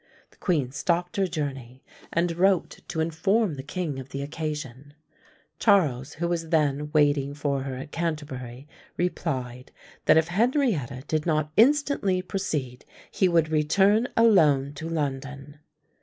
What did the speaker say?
The queen stopped her journey, and wrote to inform the king of the occasion. Charles, who was then waiting for her at Canterbury, replied, that if Henrietta did not instantly proceed, he would return alone to London.